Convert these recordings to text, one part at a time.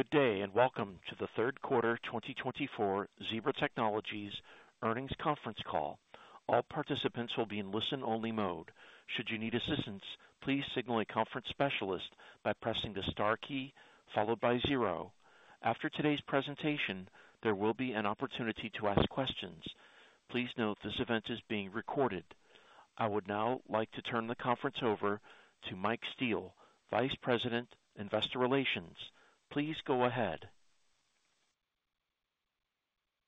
Good day and welcome to the third quarter 2024 Zebra Technologies earnings conference call. All participants will be in listen-only mode. Should you need assistance, please signal a conference specialist by pressing the star key followed by zero. After today's presentation, there will be an opportunity to ask questions. Please note this event is being recorded. I would now like to turn the conference over to Mike Steele, Vice President, Investor Relations. Please go ahead.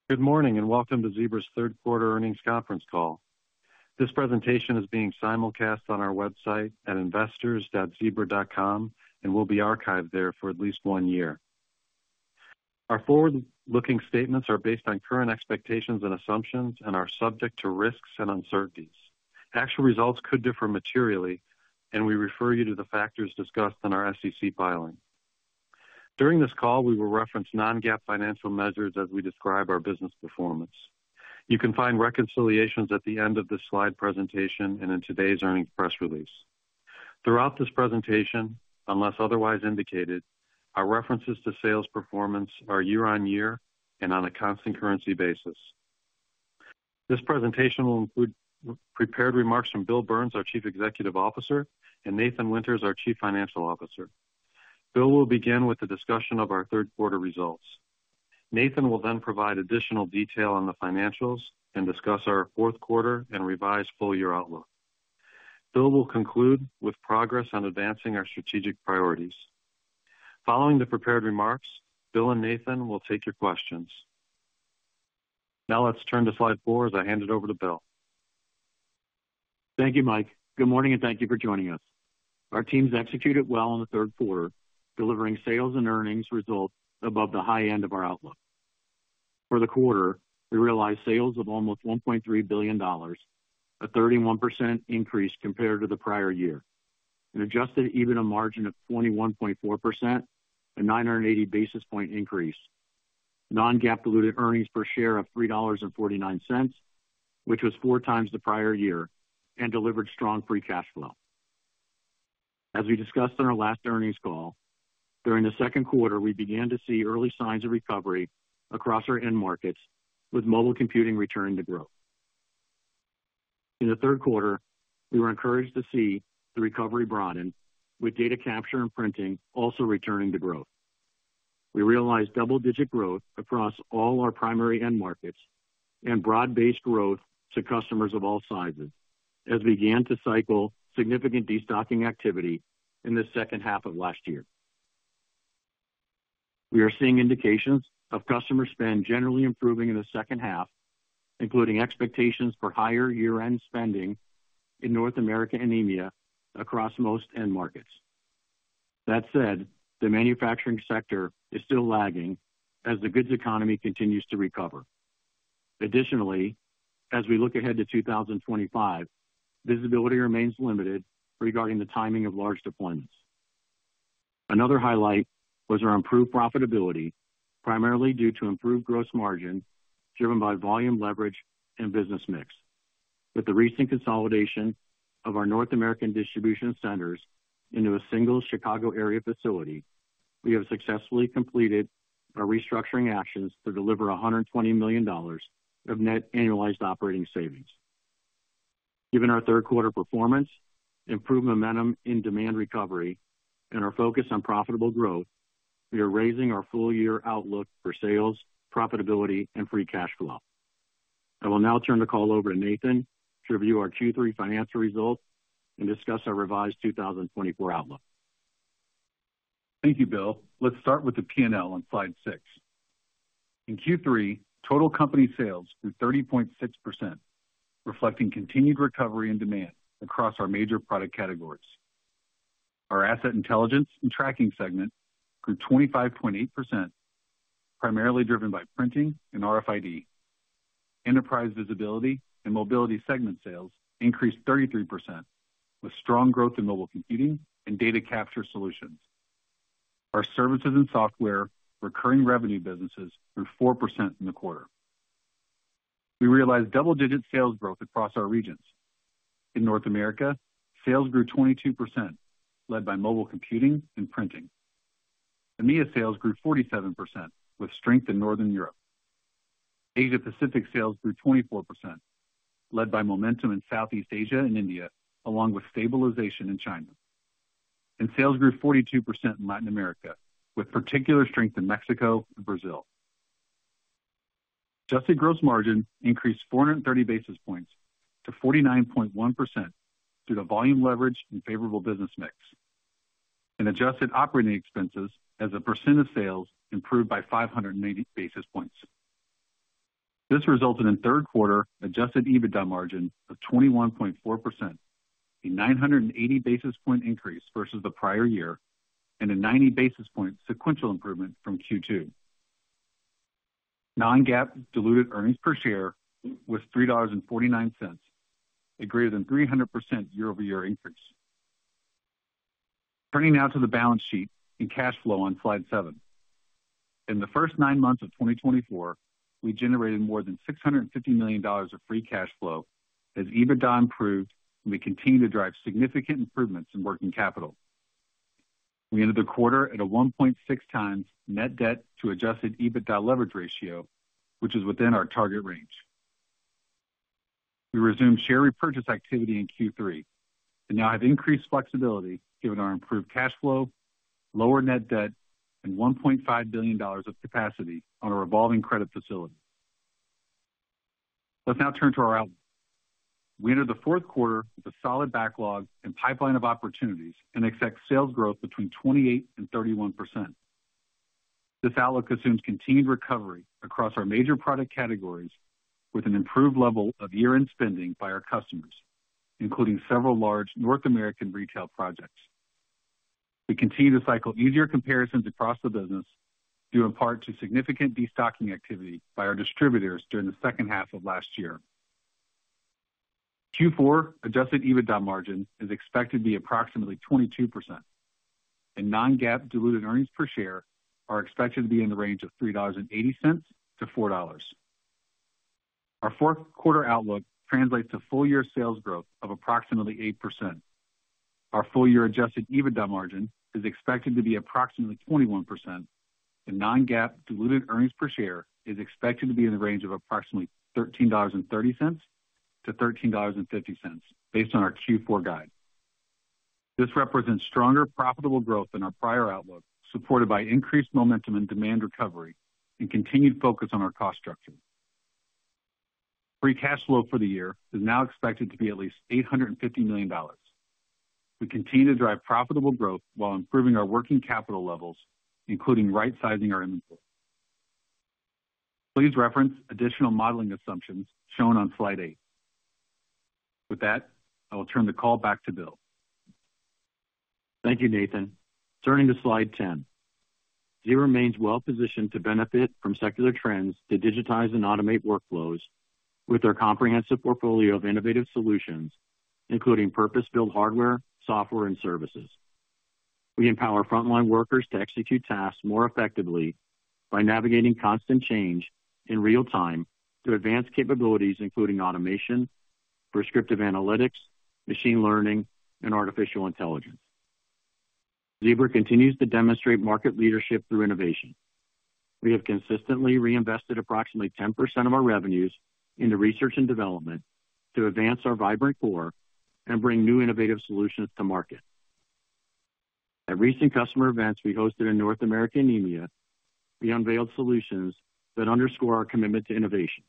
Good morning and welcome to Zebra's third quarter earnings conference call. This presentation is being simulcast on our website at investors.zebra.com and will be archived there for at least one year. Our forward-looking statements are based on current expectations and assumptions and are subject to risks and uncertainties. Actual results could differ materially, and we refer you to the factors discussed in our SEC filing. During this call, we will reference non-GAAP financial measures as we describe our business performance. You can find reconciliations at the end of this slide presentation and in today's earnings press release. Throughout this presentation, unless otherwise indicated, our references to sales performance are year-on-year and on a constant currency basis. This presentation will include prepared remarks from Bill Burns, our Chief Executive Officer, and Nathan Winters, our Chief Financial Officer. Bill will begin with the discussion of our third quarter results. Nathan will then provide additional detail on the financials and discuss our fourth quarter and revised full-year outlook. Bill will conclude with progress on advancing our strategic priorities. Following the prepared remarks, Bill and Nathan will take your questions. Now let's turn to slide four as I hand it over to Bill. Thank you, Mike. Good morning and thank you for joining us. Our teams executed well in the third quarter, delivering sales and earnings results above the high end of our outlook. For the quarter, we realized sales of almost $1.3 billion, a 31% increase compared to the prior year, and adjusted EBITDA margin of 21.4%, a 980 basis points increase. Non-GAAP diluted earnings per share of $3.49, which was four times the prior year, and delivered strong free cash flow. As we discussed in our last earnings call, during the second quarter, we began to see early signs of recovery across our end markets, with mobile computing returning to growth. In the third quarter, we were encouraged to see the recovery broaden, with data capture and printing also returning to growth. We realized double-digit growth across all our primary end markets and broad-based growth to customers of all sizes, as we began to cycle significant destocking activity in the second half of last year. We are seeing indications of customer spend generally improving in the second half, including expectations for higher year-end spending in North America and India across most end markets. That said, the manufacturing sector is still lagging as the goods economy continues to recover. Additionally, as we look ahead to 2025, visibility remains limited regarding the timing of large deployments. Another highlight was our improved profitability, primarily due to improved gross margin driven by volume leverage and business mix. With the recent consolidation of our North American distribution centers into a single Chicago area facility, we have successfully completed our restructuring actions to deliver $120 million of net annualized operating savings. Given our third quarter performance, improved momentum in demand recovery, and our focus on profitable growth, we are raising our full-year outlook for sales, profitability, and free cash flow. I will now turn the call over to Nathan to review our Q3 financial results and discuss our revised 2024 outlook. Thank you, Bill. Let's start with the P&L on slide six. In Q3, total company sales grew 30.6%, reflecting continued recovery in demand across our major product categories. Our Asset Intelligence and Tracking segment grew 25.8%, primarily driven by printing and RFID. Enterprise Visibility and Mobility segment sales increased 33%, with strong growth in mobile computing and data capture solutions. Our services and software recurring revenue businesses grew 4% in the quarter. We realized double-digit sales growth across our regions. In North America, sales grew 22%, led by mobile computing and printing. EMEA sales grew 47%, with strength in Northern Europe. Asia-Pacific sales grew 24%, led by momentum in Southeast Asia and India, along with stabilization in China, and sales grew 42% in Latin America, with particular strength in Mexico and Brazil. Adjusted gross margin increased 430 basis points to 49.1% due to volume leverage and favorable business mix. Adjusted operating expenses as a percent of sales improved by 590 basis points. This resulted in third quarter adjusted EBITDA margin of 21.4%, a 980 basis point increase versus the prior year, and a 90 basis point sequential improvement from Q2. Non-GAAP diluted earnings per share was $3.49, a greater than 300% year-over-year increase. Turning now to the balance sheet and cash flow on slide seven. In the first nine months of 2024, we generated more than $650 million of free cash flow as EBITDA improved and we continued to drive significant improvements in working capital. We ended the quarter at a 1.6 times net debt to adjusted EBITDA leverage ratio, which is within our target range. We resumed share repurchase activity in Q3 and now have increased flexibility given our improved cash flow, lower net debt, and $1.5 billion of capacity on a revolving credit facility. Let's now turn to our outlook. We entered the fourth quarter with a solid backlog and pipeline of opportunities and expect sales growth between 28% and 31%. This outlook assumes continued recovery across our major product categories with an improved level of year-end spending by our customers, including several large North American retail projects. We continue to cycle easier comparisons across the business due in part to significant destocking activity by our distributors during the second half of last year. Q4 Adjusted EBITDA margin is expected to be approximately 22%, and non-GAAP diluted earnings per share are expected to be in the range of $3.80-$4. Our fourth quarter outlook translates to full-year sales growth of approximately 8%. Our full-year Adjusted EBITDA margin is expected to be approximately 21%. Non-GAAP diluted earnings per share is expected to be in the range of approximately $13.30-$13.50 based on our Q4 guide. This represents stronger profitable growth than our prior outlook, supported by increased momentum in demand recovery and continued focus on our cost structure. Free cash flow for the year is now expected to be at least $850 million. We continue to drive profitable growth while improving our working capital levels, including right-sizing our inventory. Please reference additional modeling assumptions shown on slide eight. With that, I will turn the call back to Bill. Thank you, Nathan. Turning to slide 10, Zebra remains well-positioned to benefit from secular trends to digitize and automate workflows with our comprehensive portfolio of innovative solutions, including purpose-built hardware, software, and services. We empower frontline workers to execute tasks more effectively by navigating constant change in real time to advance capabilities, including automation, prescriptive analytics, machine learning, and artificial intelligence. Zebra continues to demonstrate market leadership through innovation. We have consistently reinvested approximately 10% of our revenues into research and development to advance our vibrant core and bring new innovative solutions to market. At recent customer events we hosted in North America and India, we unveiled solutions that underscore our commitment to innovation.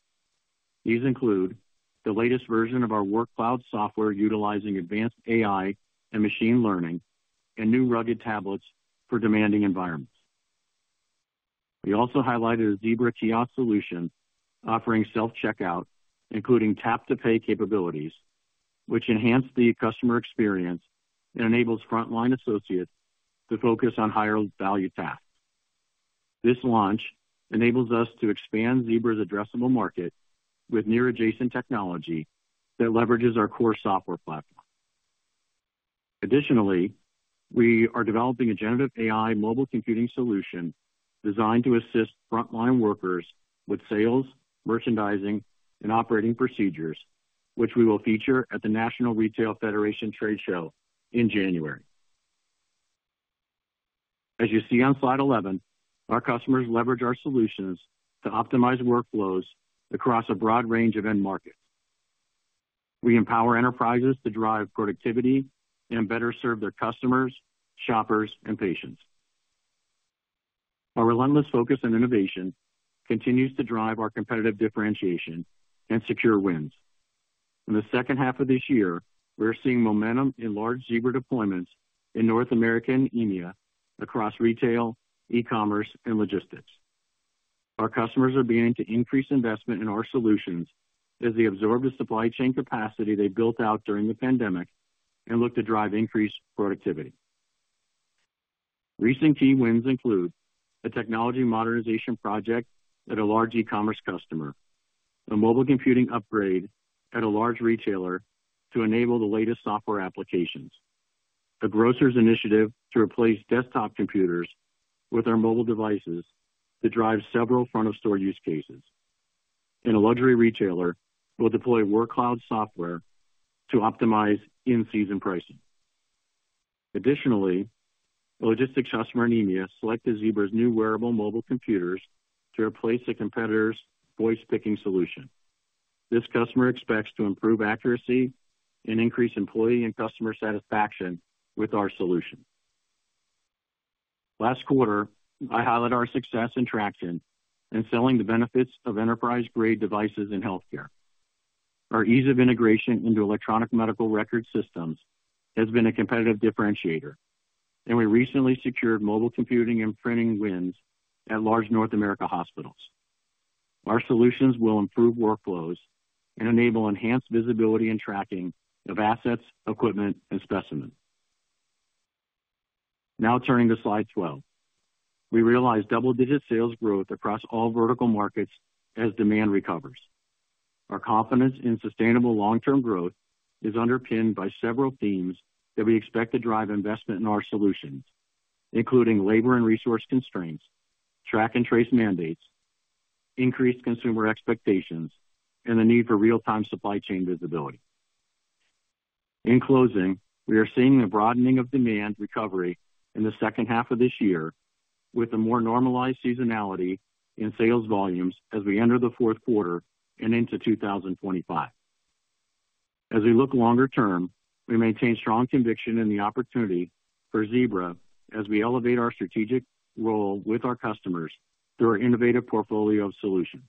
These include the latest version of our Workcloud software utilizing advanced AI and machine learning and new rugged tablets for demanding environments. We also highlighted a Zebra kiosk solution offering self-checkout, including tap-to-pay capabilities, which enhance the customer experience and enables frontline associates to focus on higher-value tasks. This launch enables us to expand Zebra's addressable market with near-adjacent technology that leverages our core software platform. Additionally, we are developing a generative AI mobile computing solution designed to assist frontline workers with sales, merchandising, and operating procedures, which we will feature at the National Retail Federation Trade Show in January. As you see on slide 11, our customers leverage our solutions to optimize workflows across a broad range of end markets. We empower enterprises to drive productivity and better serve their customers, shoppers, and patients. Our relentless focus on innovation continues to drive our competitive differentiation and secure wins. In the second half of this year, we're seeing momentum in large Zebra deployments in North America and India across retail, e-commerce, and logistics. Our customers are beginning to increase investment in our solutions as they absorb the supply chain capacity they built out during the pandemic and look to drive increased productivity. Recent key wins include a technology modernization project at a large e-commerce customer, a mobile computing upgrade at a large retailer to enable the latest software applications, a grocer's initiative to replace desktop computers with our mobile devices to drive several front-of-store use cases, and a luxury retailer will deploy Workcloud software to optimize in-season pricing. Additionally, a logistics customer in India selected Zebra's new wearable mobile computers to replace a competitor's voice picking solution. This customer expects to improve accuracy and increase employee and customer satisfaction with our solution. Last quarter, I highlight our success in traction and selling the benefits of enterprise-grade devices in healthcare. Our ease of integration into electronic medical record systems has been a competitive differentiator, and we recently secured mobile computing and printing wins at large North America hospitals. Our solutions will improve workflows and enable enhanced visibility and tracking of assets, equipment, and specimens. Now turning to slide 12, we realize double-digit sales growth across all vertical markets as demand recovers. Our confidence in sustainable long-term growth is underpinned by several themes that we expect to drive investment in our solutions, including labor and resource constraints, track and trace mandates, increased consumer expectations, and the need for real-time supply chain visibility. In closing, we are seeing a broadening of demand recovery in the second half of this year with a more normalized seasonality in sales volumes as we enter the fourth quarter and into 2025. As we look longer term, we maintain strong conviction in the opportunity for Zebra as we elevate our strategic role with our customers through our innovative portfolio of solutions.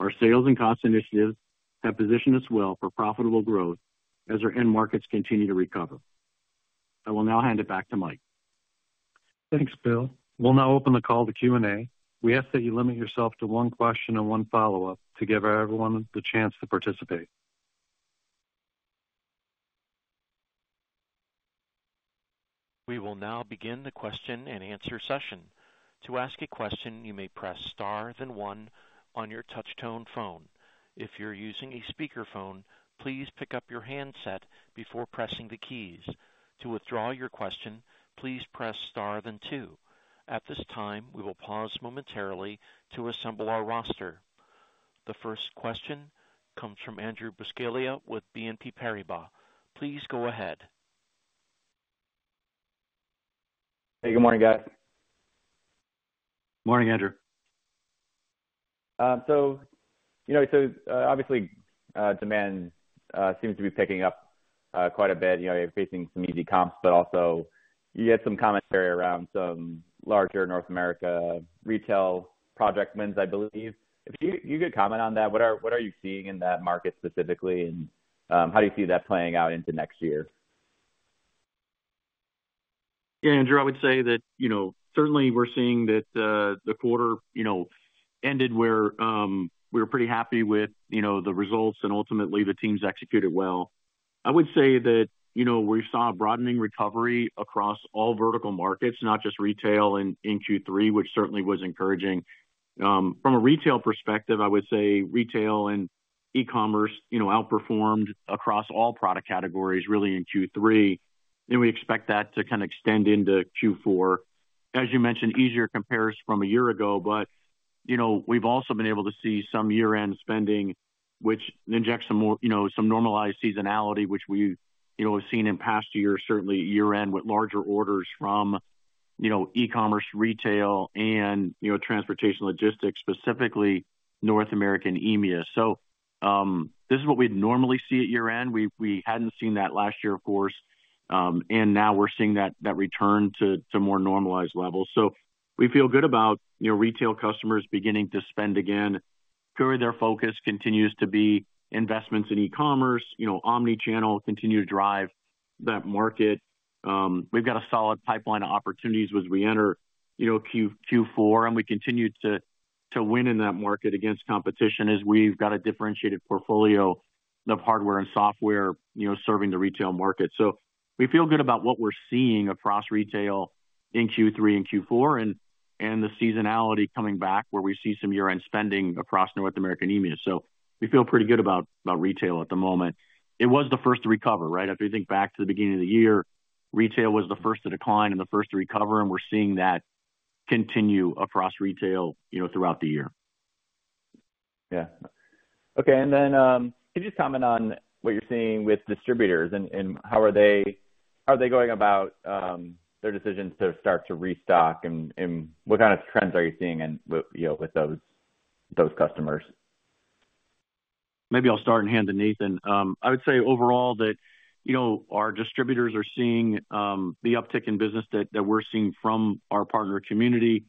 Our sales and cost initiatives have positioned us well for profitable growth as our end markets continue to recover. I will now hand it back to Mike. Thanks, Bill. We'll now open the call to Q&A. We ask that you limit yourself to one question and one follow-up to give everyone the chance to participate. We will now begin the question and answer session. To ask a question, you may press star then one on your touch-tone phone. If you're using a speakerphone, please pick up your handset before pressing the keys. To withdraw your question, please press star then two. At this time, we will pause momentarily to assemble our roster. The first question comes from Andrew Buscaglia with BNP Paribas. Please go ahead. Hey, good morning, guys. Morning, Andrew. You know, so obviously demand seems to be picking up quite a bit. You know, you're facing some easy comps, but also you get some commentary around some larger North America retail project wins, I believe. If you could comment on that, what are you seeing in that market specifically, and how do you see that playing out into next year? Yeah, Andrew, I would say that, you know, certainly we're seeing that the quarter, you know, ended where we were pretty happy with, you know, the results, and ultimately the teams executed well. I would say that, you know, we saw a broadening recovery across all vertical markets, not just retail in Q3, which certainly was encouraging. From a retail perspective, I would say retail and e-commerce, you know, outperformed across all product categories really in Q3. And we expect that to kind of extend into Q4. As you mentioned, easier comparison from a year ago, but, you know, we've also been able to see some year-end spending, which injects some, you know, some normalized seasonality, which we, you know, have seen in past years, certainly year-end with larger orders from, you know, e-commerce, retail, and, you know, transportation logistics, specifically North America and India. So this is what we'd normally see at year-end. We hadn't seen that last year, of course, and now we're seeing that return to more normalized levels. So we feel good about, you know, retail customers beginning to spend again. Clearly, their focus continues to be investments in e-commerce. You know, omnichannel continues to drive that market. We've got a solid pipeline of opportunities as we enter, you know, Q4, and we continue to win in that market against competition as we've got a differentiated portfolio of hardware and software, you know, serving the retail market. So we feel good about what we're seeing across retail in Q3 and Q4 and the seasonality coming back where we see some year-end spending across North America and India. So we feel pretty good about retail at the moment. It was the first to recover, right? If you think back to the beginning of the year, retail was the first to decline and the first to recover, and we're seeing that continue across retail, you know, throughout the year. Yeah. Okay. And then can you just comment on what you're seeing with distributors and how are they going about their decision to start to restock, and what kind of trends are you seeing with those customers? Maybe I'll start and hand to Nathan. I would say overall that, you know, our distributors are seeing the uptick in business that we're seeing from our partner community.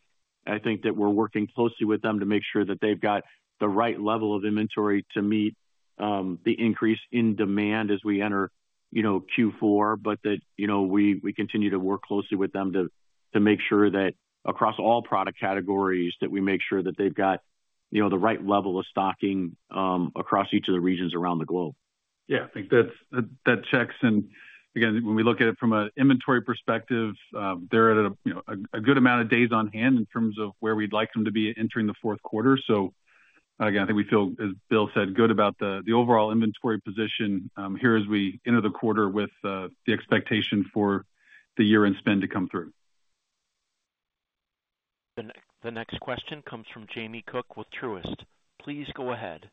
I think that we're working closely with them to make sure that they've got the right level of inventory to meet the increase in demand as we enter, you know, Q4, but that, you know, we continue to work closely with them to make sure that across all product categories that we make sure that they've got, you know, the right level of stocking across each of the regions around the globe. Yeah, I think that checks. And again, when we look at it from an inventory perspective, they're at a good amount of days on hand in terms of where we'd like them to be entering the fourth quarter. So again, I think we feel, as Bill said, good about the overall inventory position here as we enter the quarter with the expectation for the year-end spend to come through. The next question comes from Jamie Cook with Truist. Please go ahead.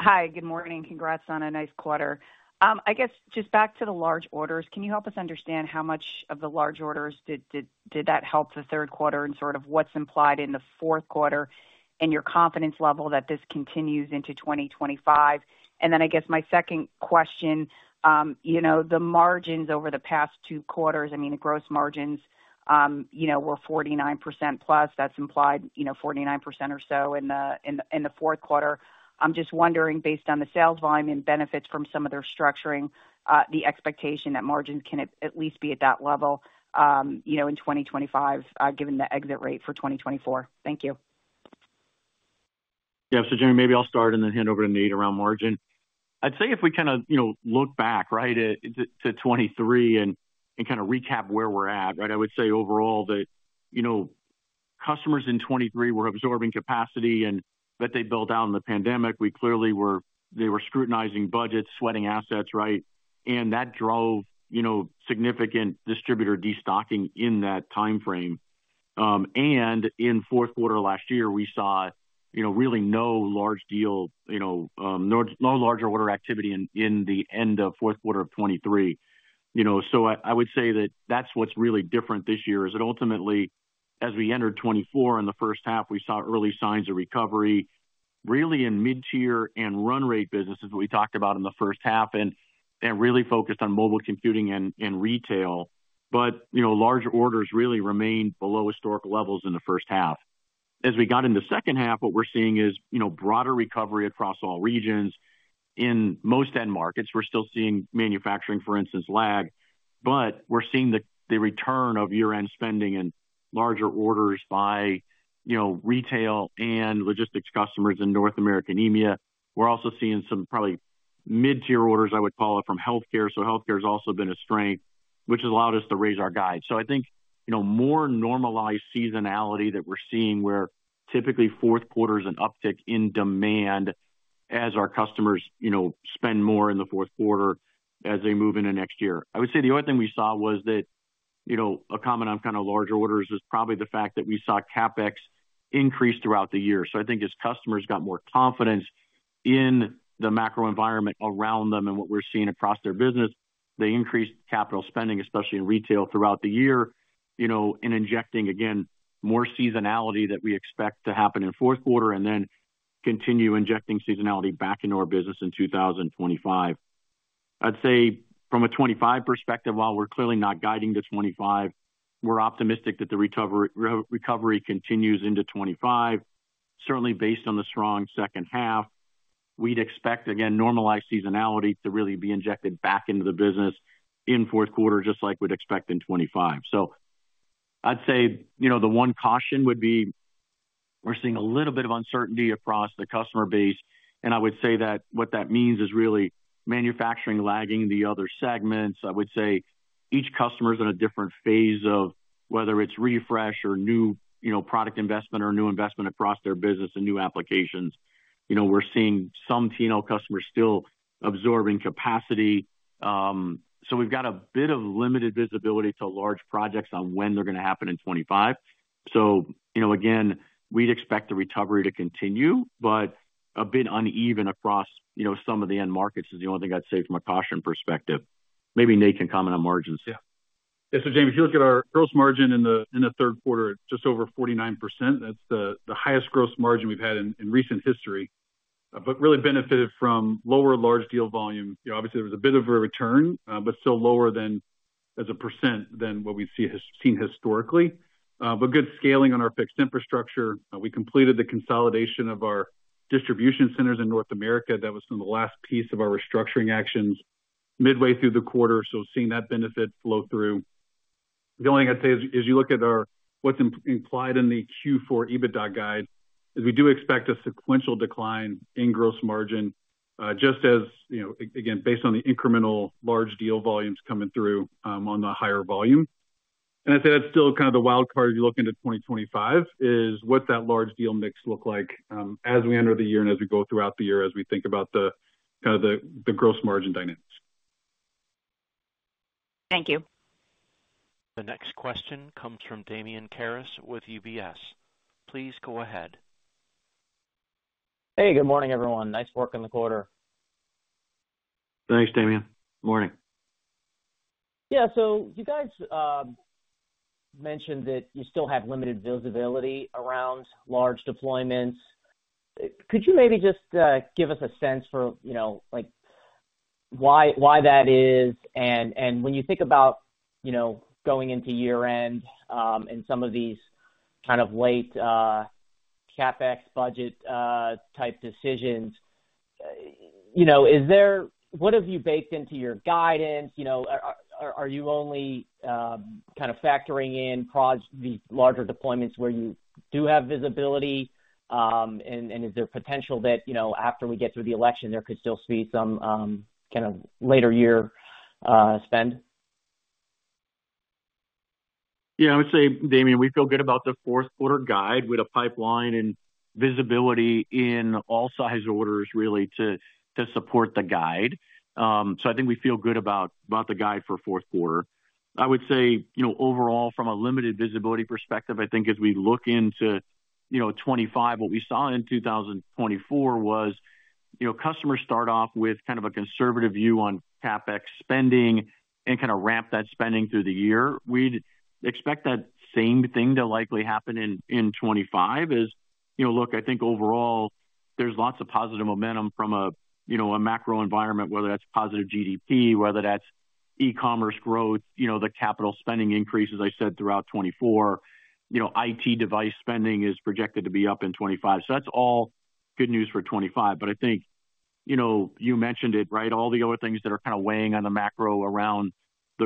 Hi, good morning. Congrats on a nice quarter. I guess just back to the large orders, can you help us understand how much of the large orders did that help the third quarter and sort of what's implied in the fourth quarter and your confidence level that this continues into 2025? And then I guess my second question, you know, the margins over the past two quarters, I mean, the gross margins, you know, were 49% plus. That's implied, you know, 49% or so in the fourth quarter. I'm just wondering, based on the sales volume and benefits from some of their structuring, the expectation that margins can at least be at that level, you know, in 2025, given the exit rate for 2024? Thank you. Yeah. So Jamie, maybe I'll start and then hand over to Nate around margin. I'd say if we kind of, you know, look back, right, to 2023 and kind of recap where we're at, right, I would say overall that, you know, customers in 2023 were absorbing capacity, and that they built out in the pandemic. We clearly were, they were scrutinizing budgets, sweating assets, right? And that drove, you know, significant distributor destocking in that timeframe. And in fourth quarter last year, we saw, you know, really no large deal, you know, no larger order activity in the end of fourth quarter of 2023. You know, so I would say that that's what's really different this year is that ultimately, as we entered 2024 in the first half, we saw early signs of recovery. Really in mid-tier and run rate business is what we talked about in the first half and really focused on mobile computing and retail. But, you know, large orders really remained below historical levels in the first half. As we got into second half, what we're seeing is, you know, broader recovery across all regions. In most end markets, we're still seeing manufacturing, for instance, lag, but we're seeing the return of year-end spending and larger orders by, you know, retail and logistics customers in North America and India. We're also seeing some probably mid-tier orders, I would call it, from healthcare. So healthcare has also been a strength, which has allowed us to raise our guides. I think, you know, more normalized seasonality that we're seeing where typically fourth quarter is an uptick in demand as our customers, you know, spend more in the fourth quarter as they move into next year. I would say the other thing we saw was that, you know, a comment on kind of large orders is probably the fact that we saw CapEx increase throughout the year. I think as customers got more confidence in the macro environment around them and what we're seeing across their business, they increased capital spending, especially in retail throughout the year, you know, and injecting, again, more seasonality that we expect to happen in fourth quarter and then continue injecting seasonality back into our business in 2025. I'd say from a 2025 perspective, while we're clearly not guiding to 2025, we're optimistic that the recovery continues into 2025. Certainly, based on the strong second half, we'd expect, again, normalized seasonality to really be injected back into the business in fourth quarter, just like we'd expect in 2025. So I'd say, you know, the one caution would be we're seeing a little bit of uncertainty across the customer base. And I would say that what that means is really manufacturing lagging the other segments. I would say each customer is in a different phase of whether it's refresh or new, you know, product investment or new investment across their business and new applications. You know, we're seeing some T&L customers still absorbing capacity. So we've got a bit of limited visibility to large projects on when they're going to happen in 2025. So, you know, again, we'd expect the recovery to continue, but a bit uneven across, you know, some of the end markets is the only thing I'd say from a caution perspective. Maybe Nate can comment on margins. Yeah. Yeah. So Jamie, if you look at our gross margin in the third quarter, it's just over 49%. That's the highest gross margin we've had in recent history, but really benefited from lower large deal volume. You know, obviously there was a bit of a return, but still lower than as a percent than what we've seen historically. But good scaling on our fixed infrastructure. We completed the consolidation of our distribution centers in North America. That was in the last piece of our restructuring actions midway through the quarter. So seeing that benefit flow through. The only thing I'd say is, as you look at our what's implied in the Q4 EBITDA guide, is we do expect a sequential decline in gross margin, just as, you know, again, based on the incremental large deal volumes coming through on the higher volume. I'd say that's still kind of the wild card as you look into 2025 is what's that large deal mix look like as we enter the year and as we go throughout the year as we think about the kind of the gross margin dynamics. Thank you. The next question comes from Damian Karas with UBS. Please go ahead. Hey, good morning, everyone. Nice work in the quarter. Thanks, Damian. Morning. Yeah. So you guys mentioned that you still have limited visibility around large deployments. Could you maybe just give us a sense for, you know, like why that is? And when you think about, you know, going into year-end and some of these kind of late CapEx budget type decisions, you know, is there what have you baked into your guidance? You know, are you only kind of factoring in these larger deployments where you do have visibility? And is there potential that, you know, after we get through the election, there could still be some kind of later year spend? Yeah. I would say, Damian, we feel good about the fourth quarter guide with a pipeline and visibility in all size orders really to support the guide. So I think we feel good about the guide for fourth quarter. I would say, you know, overall, from a limited visibility perspective, I think as we look into, you know, 2025, what we saw in 2024 was, you know, customers start off with kind of a conservative view on CapEx spending and kind of ramp that spending through the year. We'd expect that same thing to likely happen in 2025 is, you know, look, I think overall there's lots of positive momentum from a, you know, a macro environment, whether that's positive GDP, whether that's e-commerce growth, you know, the capital spending increase, as I said, throughout 2024. You know, IT device spending is projected to be up in 2025. So that's all good news for 2025. But I think, you know, you mentioned it, right? All the other things that are kind of weighing on the macro around the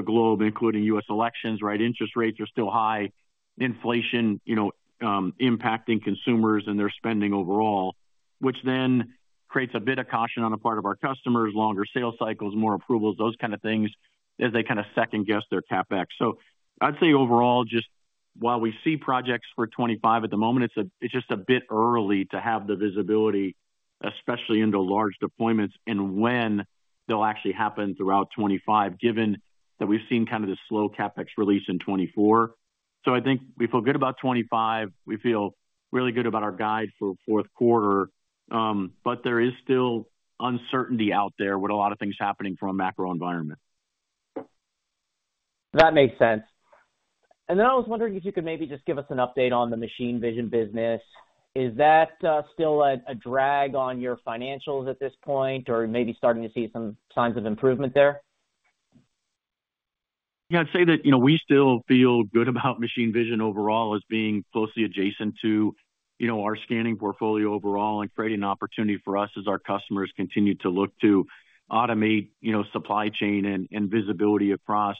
globe, including U.S. elections, right? Interest rates are still high, inflation, you know, impacting consumers and their spending overall, which then creates a bit of caution on the part of our customers, longer sales cycles, more approvals, those kind of things as they kind of second-guess their CapEx. So I'd say overall, just while we see projects for 2025 at the moment, it's just a bit early to have the visibility, especially into large deployments and when they'll actually happen throughout 2025, given that we've seen kind of the slow CapEx release in 2024. So I think we feel good about 2025. We feel really good about our guide for fourth quarter, but there is still uncertainty out there with a lot of things happening from a macro environment. That makes sense. And then I was wondering if you could maybe just give us an update on the machine vision business. Is that still a drag on your financials at this point or maybe starting to see some signs of improvement there? Yeah. I'd say that, you know, we still feel good about machine vision overall as being closely adjacent to, you know, our scanning portfolio overall and creating an opportunity for us as our customers continue to look to automate, you know, supply chain and visibility across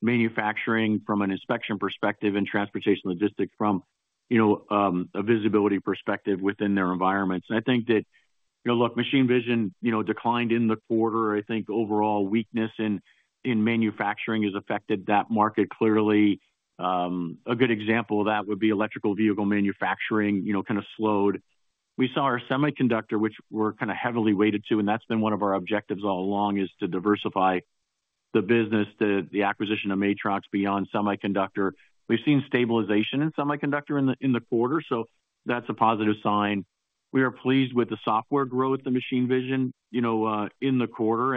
manufacturing from an inspection perspective and transportation logistics from, you know, a visibility perspective within their environments. And I think that, you know, look, machine vision, you know, declined in the quarter. I think overall weakness in manufacturing has affected that market clearly. A good example of that would be electric vehicle manufacturing, you know, kind of slowed. We saw our semiconductor, which we're kind of heavily weighted to, and that's been one of our objectives all along is to diversify the business to the acquisition of Matrox beyond semiconductor. We've seen stabilization in semiconductor in the quarter, so that's a positive sign. We are pleased with the software growth, the Machine Vision, you know, in the quarter,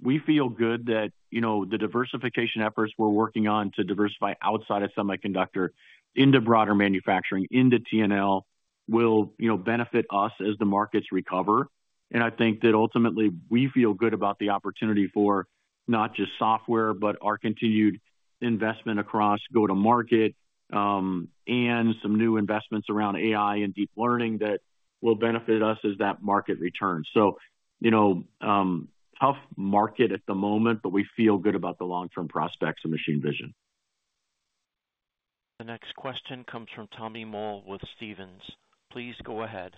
and we feel good that, you know, the diversification efforts we're working on to diversify outside of semiconductor into broader manufacturing, into T&L will, you know, benefit us as the markets recover, and I think that ultimately we feel good about the opportunity for not just software, but our continued investment across go-to-market and some new investments around AI and deep learning that will benefit us as that market returns, so, you know, tough market at the moment, but we feel good about the long-term prospects of Machine Vision. The next question comes from Tommy Moll with Stephens. Please go ahead.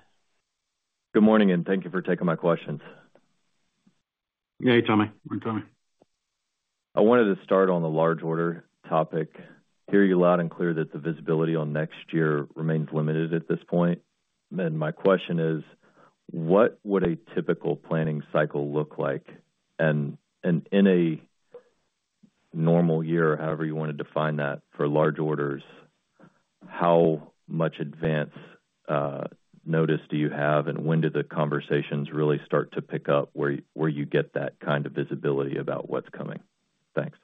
Good morning and thank you for taking my questions. Hey, Tommy. Morning, Tommy. I wanted to start on the large order topic. I hear you loud and clear that the visibility on next year remains limited at this point. And my question is, what would a typical planning cycle look like? And in a normal year, however you want to define that for large orders, how much advance notice do you have and when do the conversations really start to pick up where you get that kind of visibility about what's coming? Thanks.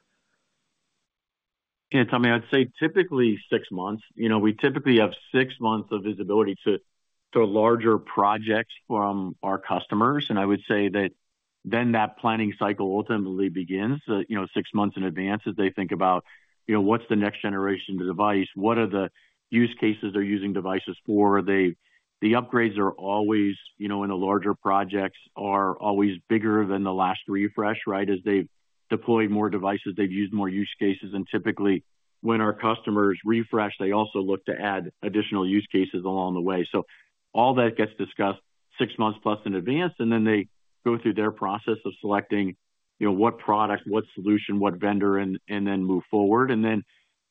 Yeah, Tommy, I'd say typically six months. You know, we typically have six months of visibility to larger projects from our customers. And I would say that then that planning cycle ultimately begins, you know, six months in advance as they think about, you know, what's the next generation of the device? What are the use cases they're using devices for? The upgrades are always, you know, in the larger projects are always bigger than the last refresh, right? As they deploy more devices, they've used more use cases. And typically when our customers refresh, they also look to add additional use cases along the way. So all that gets discussed six months plus in advance, and then they go through their process of selecting, you know, what product, what solution, what vendor, and then move forward. And then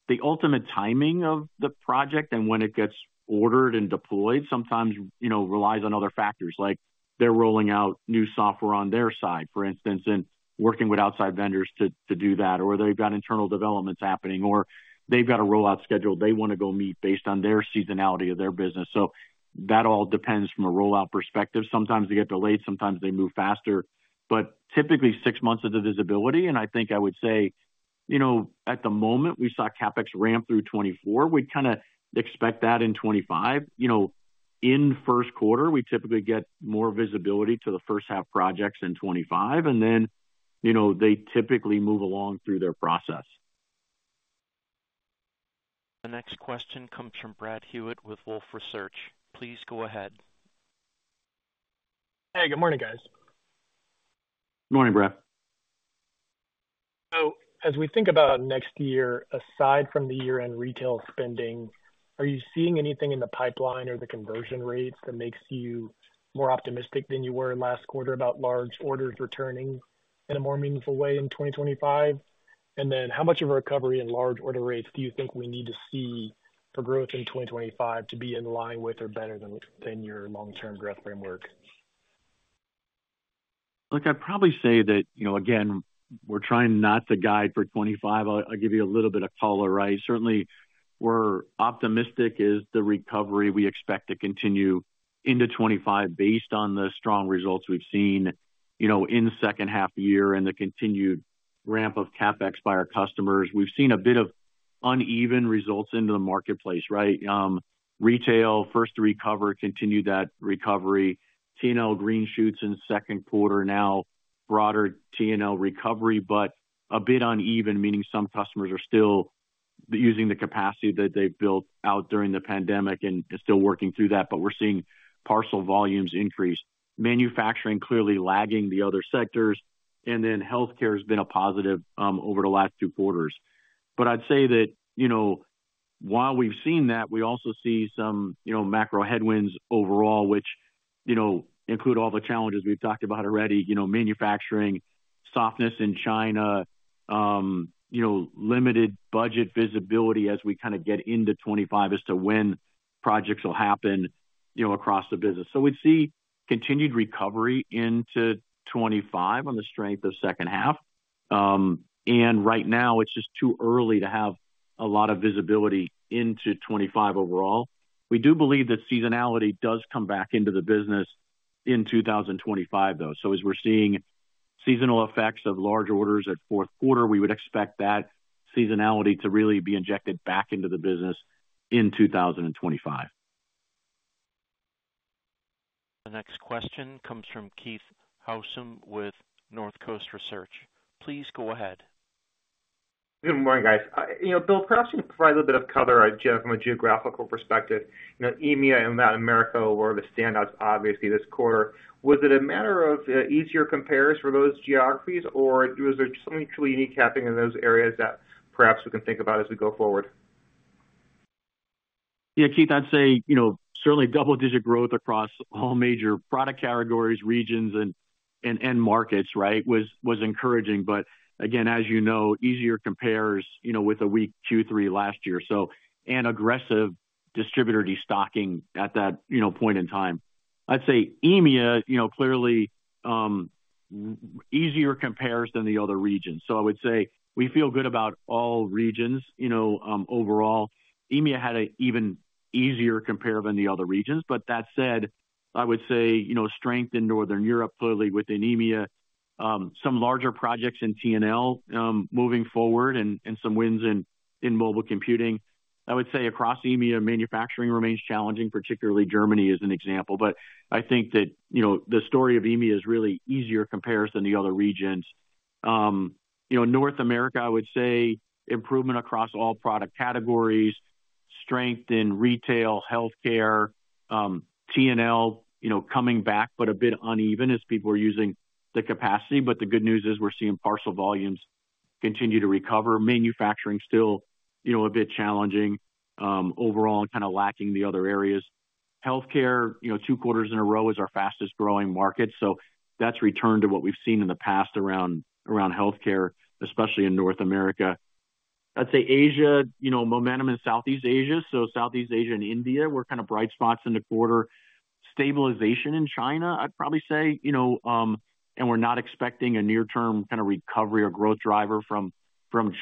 the ultimate timing of the project and when it gets ordered and deployed sometimes, you know, relies on other factors like they're rolling out new software on their side, for instance, and working with outside vendors to do that, or they've got internal developments happening or they've got a rollout schedule they want to go meet based on their seasonality of their business. So that all depends from a rollout perspective. Sometimes they get delayed, sometimes they move faster, but typically six months of the visibility. And I think I would say, you know, at the moment we saw CapEx ramp through 2024, we'd kind of expect that in 2025. You know, in first quarter, we typically get more visibility to the first half projects in 2025, and then, you know, they typically move along through their process. The next question comes from Brad Hewitt with Wolfe Research. Please go ahead. Hey, good morning, guys. Good morning, Brad. As we think about next year, aside from the year-end retail spending, are you seeing anything in the pipeline or the conversion rates that makes you more optimistic than you were in last quarter about large orders returning in a more meaningful way in 2025? How much of a recovery in large order rates do you think we need to see for growth in 2025 to be in line with or better than your long-term growth framework? Look, I'd probably say that, you know, again, we're trying not to guide for 2025. I'll give you a little bit of color, right? Certainly, we're optimistic as the recovery we expect to continue into 2025 based on the strong results we've seen, you know, in second half year and the continued ramp of CapEx by our customers. We've seen a bit of uneven results into the marketplace, right? Retail first to recover, continue that recovery. T&L green shoots in second quarter, now broader T&L recovery, but a bit uneven, meaning some customers are still using the capacity that they've built out during the pandemic and still working through that, but we're seeing parcel volumes increase. Manufacturing clearly lagging the other sectors, and then healthcare has been a positive over the last two quarters. But I'd say that, you know, while we've seen that, we also see some, you know, macro headwinds overall, which, you know, include all the challenges we've talked about already, you know, manufacturing softness in China, you know, limited budget visibility as we kind of get into 2025 as to when projects will happen, you know, across the business. So we'd see continued recovery into 2025 on the strength of second half. And right now, it's just too early to have a lot of visibility into 2025 overall. We do believe that seasonality does come back into the business in 2025, though. So as we're seeing seasonal effects of large orders at fourth quarter, we would expect that seasonality to really be injected back into the business in 2025. The next question comes from Keith Housum with North Coast Research. Please go ahead. Good morning, guys. You know, Bill, perhaps you can provide a little bit of color from a geographical perspective. You know, EMEA and Latin America were the standouts, obviously, this quarter. Was it a matter of easier compares for those geographies, or was there something truly unique happening in those areas that perhaps we can think about as we go forward? Yeah, Keith, I'd say, you know, certainly double-digit growth across all major product categories, regions, and markets, right, was encouraging. But again, as you know, easier compares, you know, with a weak Q3 last year. So an aggressive distributor destocking at that, you know, point in time. I'd say EMEA, you know, clearly easier compares than the other regions. So I would say we feel good about all regions, you know, overall. EMEA had an even easier compare than the other regions. But that said, I would say, you know, strength in Northern Europe clearly within EMEA, some larger projects in T&L moving forward and some wins in mobile computing. I would say across EMEA, manufacturing remains challenging, particularly Germany as an example. But I think that, you know, the story of EMEA is really easier compares than the other regions. You know, North America, I would say improvement across all product categories, strength in retail, healthcare, T&L, you know, coming back, but a bit uneven as people are using the capacity. But the good news is we're seeing parcel volumes continue to recover. Manufacturing still, you know, a bit challenging overall and kind of lacking the other areas. Healthcare, you know, two quarters in a row is our fastest growing market. So that's returned to what we've seen in the past around healthcare, especially in North America. I'd say Asia, you know, momentum in Southeast Asia. So Southeast Asia and India were kind of bright spots in the quarter. Stabilization in China, I'd probably say, you know, and we're not expecting a near-term kind of recovery or growth driver from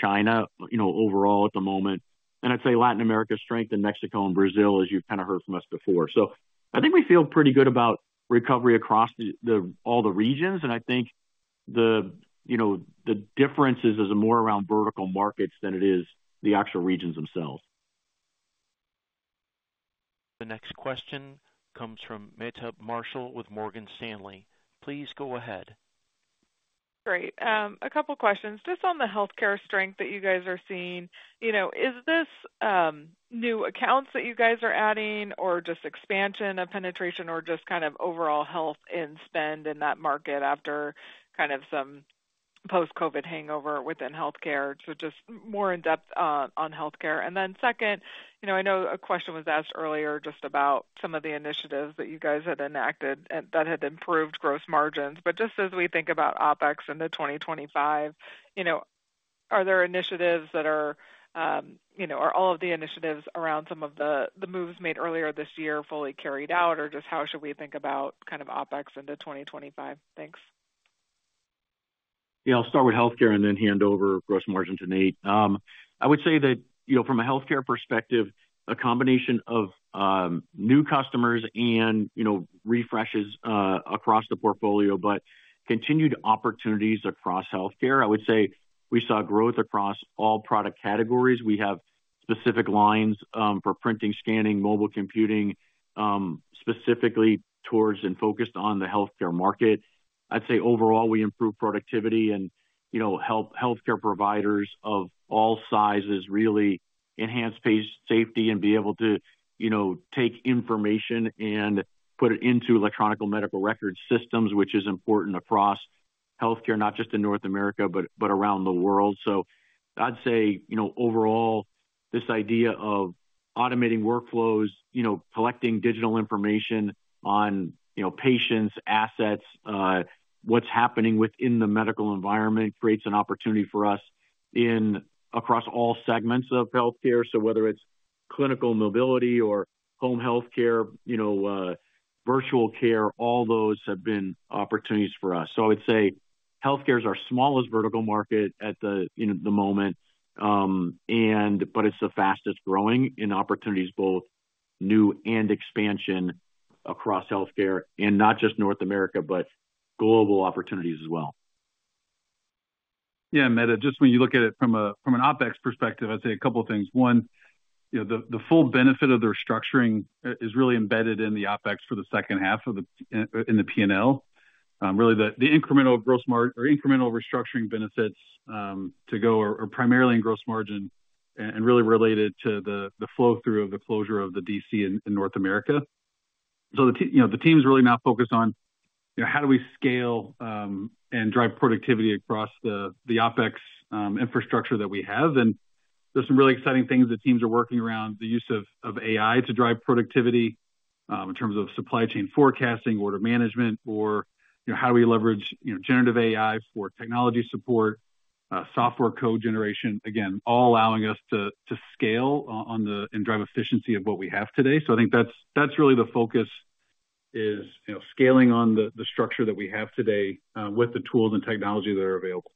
China, you know, overall at the moment. I'd say Latin America strength in Mexico and Brazil, as you've kind of heard from us before. I think we feel pretty good about recovery across all the regions. I think the, you know, the differences is more around vertical markets than it is the actual regions themselves. The next question comes from Meta Marshall with Morgan Stanley. Please go ahead. Great. A couple of questions just on the healthcare strength that you guys are seeing. You know, is this new accounts that you guys are adding or just expansion of penetration or just kind of overall health and spend in that market after kind of some post-COVID hangover within healthcare? So just more in depth on healthcare. And then second, you know, I know a question was asked earlier just about some of the initiatives that you guys had enacted that had improved gross margins. But just as we think about OpEx in the 2025, you know, are there initiatives that are, you know, are all of the initiatives around some of the moves made earlier this year fully carried out, or just how should we think about kind of OpEx into 2025? Thanks. Yeah, I'll start with healthcare and then hand over gross margins to Nate. I would say that, you know, from a healthcare perspective, a combination of new customers and, you know, refreshes across the portfolio, but continued opportunities across healthcare. I would say we saw growth across all product categories. We have specific lines for printing, scanning, mobile computing, specifically towards and focused on the healthcare market. I'd say overall we improved productivity and, you know, help healthcare providers of all sizes really enhance patient safety and be able to, you know, take information and put it into electronic medical records systems, which is important across healthcare, not just in North America, but around the world. So I'd say, you know, overall, this idea of automating workflows, you know, collecting digital information on, you know, patients, assets, what's happening within the medical environment creates an opportunity for us across all segments of healthcare. So whether it's clinical mobility or home healthcare, you know, virtual care, all those have been opportunities for us. So I would say healthcare is our smallest vertical market at the moment, but it's the fastest growing in opportunities, both new and expansion across healthcare and not just North America, but global opportunities as well. Yeah, Meta, just when you look at it from an OpEx perspective, I'd say a couple of things. One, you know, the full benefit of their structuring is really embedded in the OpEx for the second half of the P&L. Really, the incremental gross margin or incremental restructuring benefits to go are primarily in gross margin and really related to the flow-through of the closure of the DC in North America. So the team's really now focused on, you know, how do we scale and drive productivity across the OpEx infrastructure that we have. And there's some really exciting things that teams are working around the use of AI to drive productivity in terms of supply chain forecasting, order management, or, you know, how do we leverage, you know, generative AI for technology support, software code generation, again, all allowing us to scale on the end and drive efficiency of what we have today. So I think that's really the focus is, you know, scaling on the structure that we have today with the tools and technology that are available.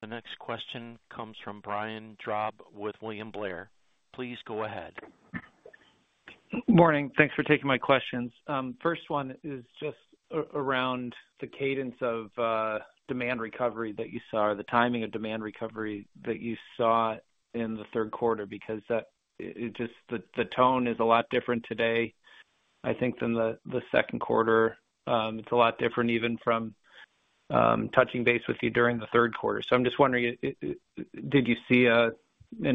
The next question comes from Brian Drab with William Blair. Please go ahead. Morning. Thanks for taking my questions. First one is just around the cadence of demand recovery that you saw, or the timing of demand recovery that you saw in the third quarter, because just the tone is a lot different today, I think, than the second quarter. It's a lot different even from touching base with you during the third quarter. So I'm just wondering, did you see an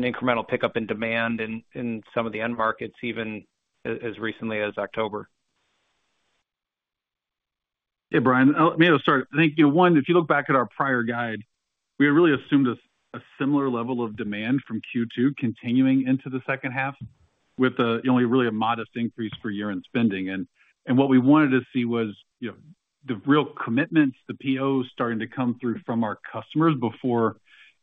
incremental pickup in demand in some of the end markets even as recently as October? Yeah, Brian, let me start. I think, you know, one, if you look back at our prior guide, we had really assumed a similar level of demand from Q2 continuing into the second half with only really a modest increase for year-end spending. And what we wanted to see was, you know, the real commitments, the POs starting to come through from our customers before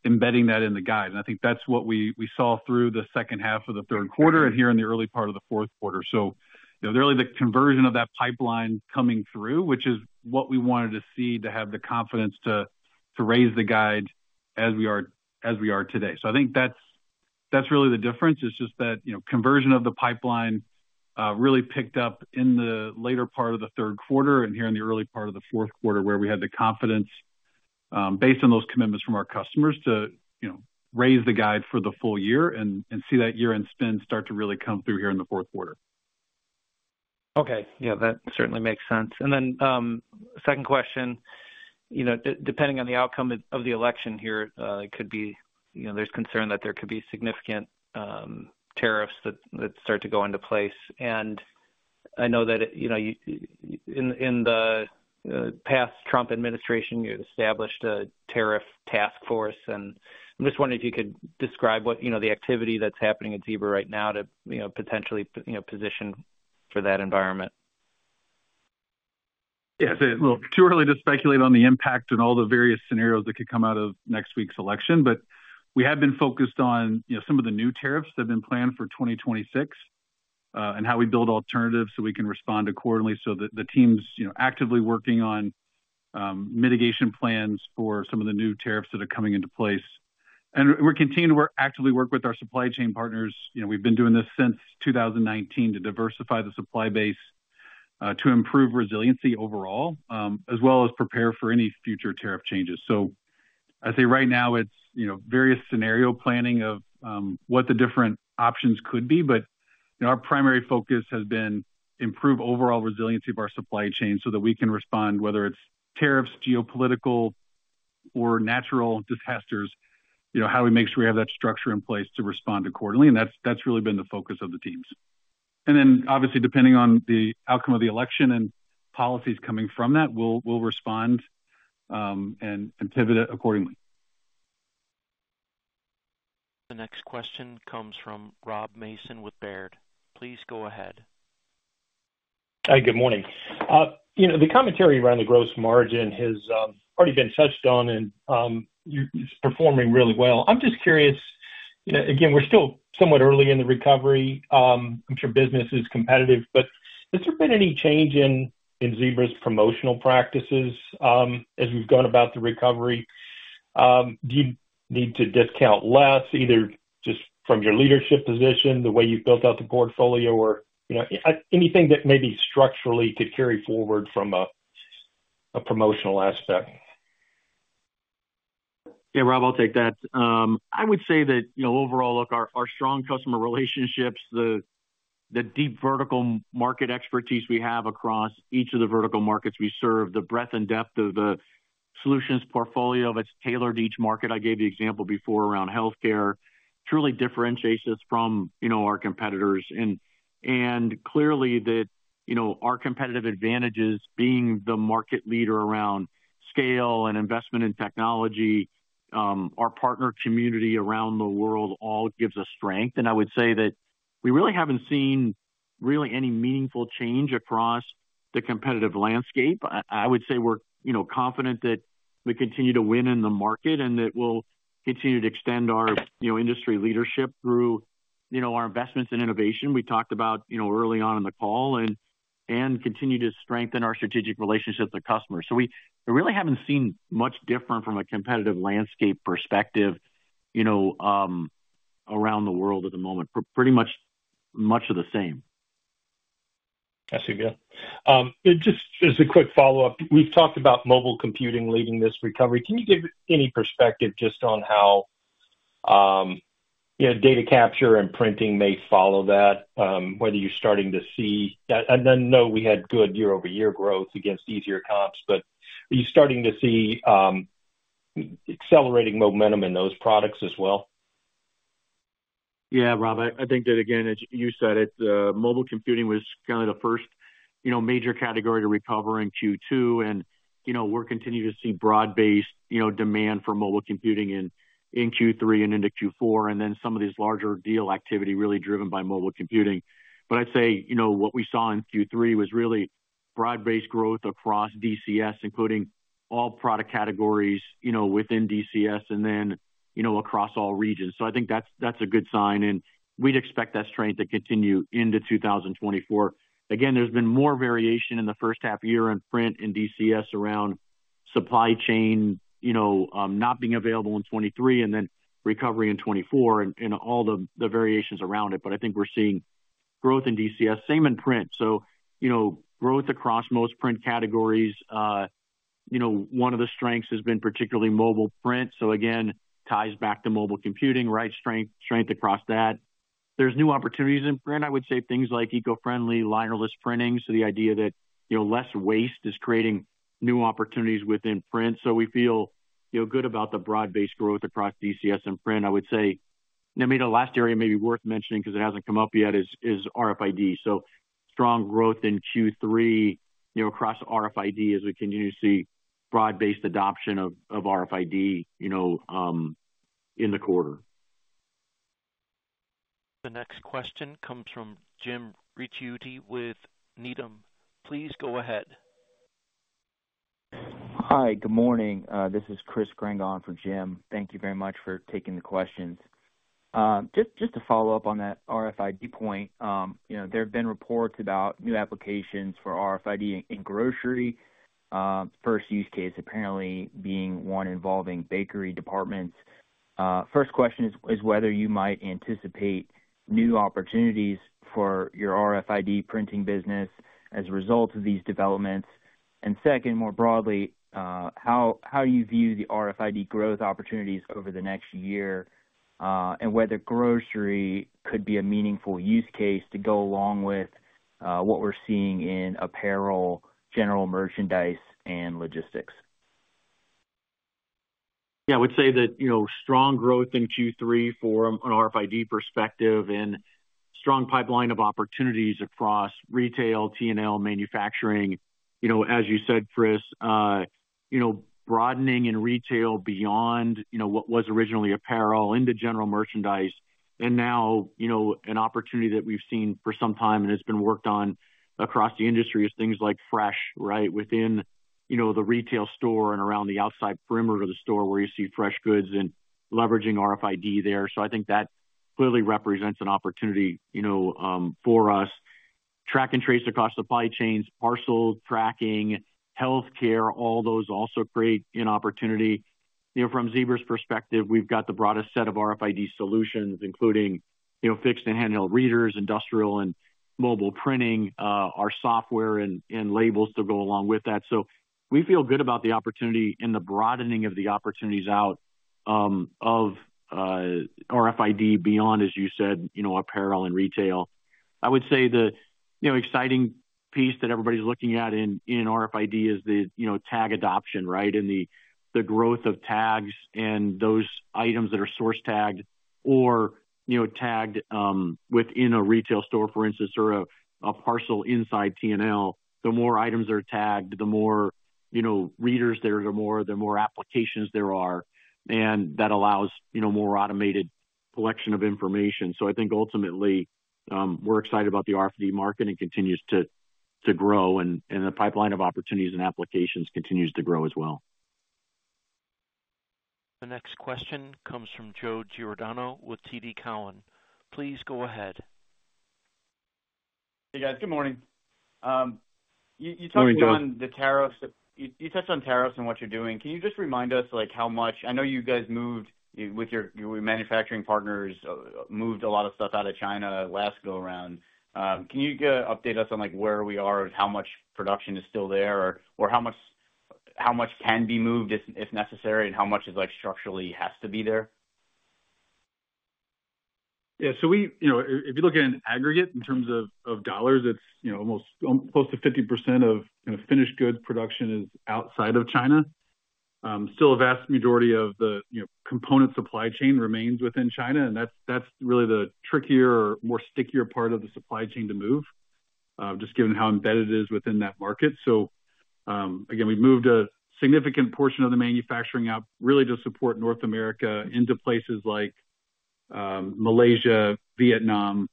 embedding that in the guide. And I think that's what we saw through the second half of the third quarter and here in the early part of the fourth quarter. So, you know, really the conversion of that pipeline coming through, which is what we wanted to see to have the confidence to raise the guide as we are today. So I think that's really the difference. It's just that, you know, conversion of the pipeline really picked up in the later part of the third quarter and here in the early part of the fourth quarter, where we had the confidence based on those commitments from our customers to, you know, raise the guide for the full year and see that year-end spend start to really come through here in the fourth quarter. Okay. Yeah, that certainly makes sense, and then second question, you know, depending on the outcome of the election here, it could be, you know, there's concern that there could be significant tariffs that start to go into place. And I know that, you know, in the past Trump administration, you had established a tariff task force. And I'm just wondering if you could describe what, you know, the activity that's happening at Zebra right now to, you know, potentially, you know, position for that environment. Yeah, it's a little too early to speculate on the impact and all the various scenarios that could come out of next week's election, but we have been focused on, you know, some of the new tariffs that have been planned for 2026 and how we build alternatives so we can respond accordingly, so the team's, you know, actively working on mitigation plans for some of the new tariffs that are coming into place, and we're continuing to actively work with our supply chain partners, you know, we've been doing this since 2019 to diversify the supply base to improve resiliency overall, as well as prepare for any future tariff changes, so I'd say right now it's, you know, various scenario planning of what the different options could be. But you know, our primary focus has been to improve overall resiliency of our supply chain so that we can respond, whether it's tariffs, geopolitical, or natural disasters, you know, how do we make sure we have that structure in place to respond accordingly. And that's really been the focus of the teams. And then, obviously, depending on the outcome of the election and policies coming from that, we'll respond and pivot accordingly. The next question comes from Rob Mason with Baird. Please go ahead. Hi, good morning. You know, the commentary around the gross margin has already been touched on and is performing really well. I'm just curious, you know, again, we're still somewhat early in the recovery. I'm sure business is competitive, but has there been any change in Zebra's promotional practices as we've gone about the recovery? Do you need to discount less, either just from your leadership position, the way you've built out the portfolio, or, you know, anything that maybe structurally could carry forward from a promotional aspect? Yeah, Rob, I'll take that. I would say that, you know, overall, look, our strong customer relationships, the deep vertical market expertise we have across each of the vertical markets we serve, the breadth and depth of the solutions portfolio that's tailored to each market. I gave the example before around healthcare, truly differentiates us from, you know, our competitors. And clearly that, you know, our competitive advantages being the market leader around scale and investment in technology, our partner community around the world all gives us strength. And I would say that we really haven't seen any meaningful change across the competitive landscape. I would say we're, you know, confident that we continue to win in the market and that we'll continue to extend our, you know, industry leadership through, you know, our investments in innovation. We talked about, you know, early on in the call, and continue to strengthen our strategic relationships with customers. So we really haven't seen much different from a competitive landscape perspective, you know, around the world at the moment, pretty much of the same. I see you. Just as a quick follow-up, we've talked about mobile computing leading this recovery. Can you give any perspective just on how, you know, data capture and printing may follow that, whether you're starting to see that? And I know we had good year-over-year growth against easier comps, but are you starting to see accelerating momentum in those products as well? Yeah, Rob, I think that, again, as you said, mobile computing was kind of the first, you know, major category to recover in Q2. And, you know, we're continuing to see broad-based, you know, demand for mobile computing in Q3 and into Q4, and then some of these larger deal activity really driven by mobile computing. But I'd say, you know, what we saw in Q3 was really broad-based growth across DCS, including all product categories, you know, within DCS and then, you know, across all regions. So I think that's a good sign. And we'd expect that strength to continue into 2024. Again, there's been more variation in the first half year in print in DCS around supply chain, you know, not being available in 2023 and then recovery in 2024 and all the variations around it. But I think we're seeing growth in DCS, same in print. So, you know, growth across most print categories. You know, one of the strengths has been particularly mobile print. So again, ties back to mobile computing, right? Strength across that. There's new opportunities in print. I would say things like eco-friendly, linerless printing. So the idea that, you know, less waste is creating new opportunities within print. So we feel, you know, good about the broad-based growth across DCS and print. I would say, I mean, the last area maybe worth mentioning because it hasn't come up yet is RFID. So strong growth in Q3, you know, across RFID as we continue to see broad-based adoption of RFID, you know, in the quarter. The next question comes from Jim Ricchiuti with Needham. Please go ahead. Hi, good morning. This is Chris Grenga from Jim. Thank you very much for taking the questions. Just to follow up on that RFID point, you know, there have been reports about new applications for RFID in grocery. First use case apparently being one involving bakery departments. First question is whether you might anticipate new opportunities for your RFID printing business as a result of these developments, and second, more broadly, how do you view the RFID growth opportunities over the next year and whether grocery could be a meaningful use case to go along with what we're seeing in apparel, general merchandise, and logistics? Yeah, I would say that, you know, strong growth in Q3 for an RFID perspective and strong pipeline of opportunities across retail, T&L, manufacturing. You know, as you said, Chris, you know, broadening in retail beyond, you know, what was originally apparel into general merchandise. And now, you know, an opportunity that we've seen for some time and has been worked on across the industry is things like fresh, right, within, you know, the retail store and around the outside perimeter of the store where you see fresh goods and leveraging RFID there. So I think that clearly represents an opportunity, you know, for us. Track and trace across supply chains, parcel tracking, healthcare, all those also create an opportunity. You know, from Zebra's perspective, we've got the broadest set of RFID solutions, including, you know, fixed and handheld readers, industrial and mobile printing, our software and labels to go along with that. So we feel good about the opportunity in the broadening of the opportunities out of RFID beyond, as you said, you know, apparel and retail. I would say the, you know, exciting piece that everybody's looking at in RFID is the, you know, tag adoption, right, and the growth of tags and those items that are source tagged or, you know, tagged within a retail store, for instance, or a parcel inside T&L. The more items that are tagged, the more, you know, readers there, the more applications there are. And that allows, you know, more automated collection of information. I think ultimately we're excited about the RFID market and continues to grow, and the pipeline of opportunities and applications continues to grow as well. The next question comes from Joe Giordano with TD Cowen. Please go ahead. Hey, guys. Good morning. You touched on the tariffs. You touched on tariffs and what you're doing. Can you just remind us, like, how much I know you guys moved with your manufacturing partners a lot of stuff out of China last go around. Can you update us on, like, where we are of how much production is still there or how much can be moved if necessary and how much is, like, structurally has to be there? Yeah. So we, you know, if you look at an aggregate in terms of dollars, it's, you know, almost close to 50% of kind of finished goods production is outside of China. Still, a vast majority of the, you know, component supply chain remains within China. And that's really the trickier or more stickier part of the supply chain to move, just given how embedded it is within that market. So again, we moved a significant portion of the manufacturing out really to support North America into places like Malaysia, Vietnam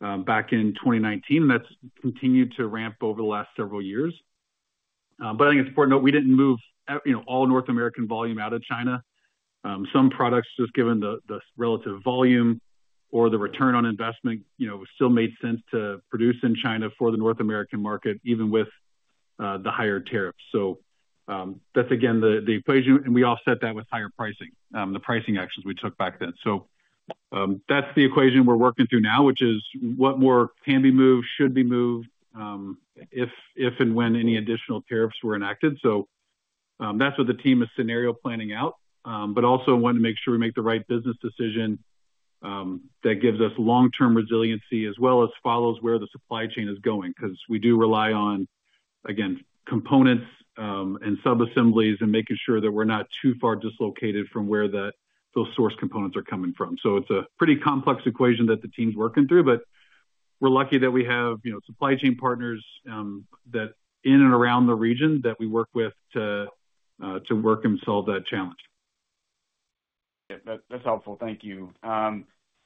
back in 2019. And that's continued to ramp over the last several years. But I think it's important to note we didn't move, you know, all North American volume out of China. Some products, just given the relative volume or the return on investment, you know, still made sense to produce in China for the North American market, even with the higher tariffs. So that's, again, the equation. And we offset that with higher pricing, the pricing actions we took back then. So that's the equation we're working through now, which is what more can be moved, should be moved, if and when any additional tariffs were enacted. So that's what the team is scenario planning out. But also want to make sure we make the right business decision that gives us long-term resiliency as well as follows where the supply chain is going because we do rely on, again, components and subassemblies and making sure that we're not too far dislocated from where those source components are coming from. It's a pretty complex equation that the team's working through, but we're lucky that we have, you know, supply chain partners that in and around the region that we work with to solve that challenge. Yeah, that's helpful. Thank you.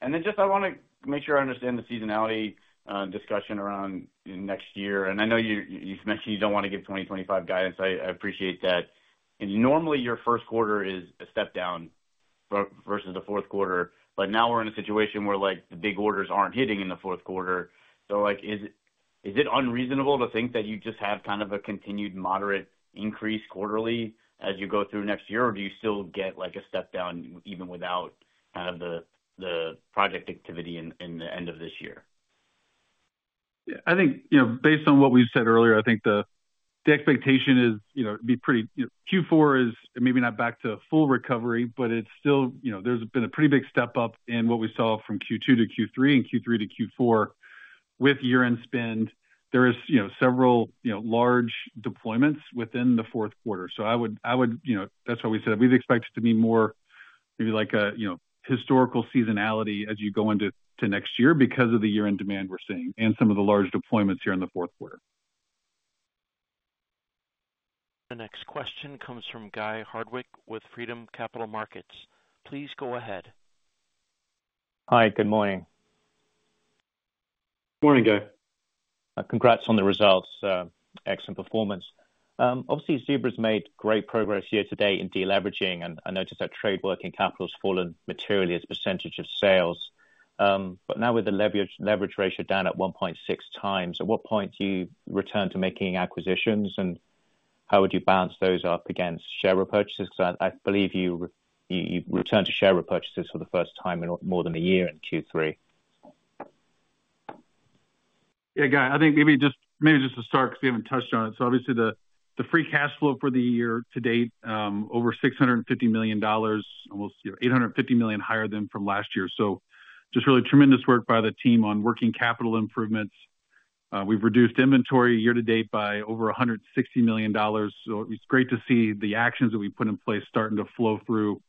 And then just I want to make sure I understand the seasonality discussion around next year. And I know you've mentioned you don't want to give 2025 guidance. I appreciate that. And normally your first quarter is a step down versus the fourth quarter. But now we're in a situation where, like, the big orders aren't hitting in the fourth quarter. So, like, is it unreasonable to think that you just have kind of a continued moderate increase quarterly as you go through next year, or do you still get, like, a step down even without kind of the project activity in the end of this year? Yeah, I think, you know, based on what we said earlier, I think the expectation is, you know, it'd be pretty Q4 is maybe not back to full recovery, but it's still, you know, there's been a pretty big step up in what we saw from Q2-Q3 and Q3-Q4 with year-end spend. There is, you know, several, you know, large deployments within the fourth quarter. So I would, you know, that's why we said we'd expect it to be more maybe like a, you know, historical seasonality as you go into next year because of the year-end demand we're seeing and some of the large deployments here in the fourth quarter. The next question comes from Guy Hardwick with Freedom Capital Markets. Please go ahead. Hi, Good morning. Good morning, Guy. Congrats on the results. Excellent performance. Obviously, Zebra's made great progress year to date in deleveraging. And I noticed that trade working capital has fallen materially as a percentage of sales. But now with the leverage ratio down at 1.6 times, at what point do you return to making acquisitions? And how would you balance those up against share repurchases? Because I believe you returned to share repurchases for the first time in more than a year in Q3. Yeah, Guy, I think maybe just to start because we haven't touched on it. So obviously the free cash flow for the year to date over $650 million, almost, you know, $850 million higher than from last year. So just really tremendous work by the team on working capital improvements. We've reduced inventory year to date by over $160 million. So it's great to see the actions that we put in place starting to flow through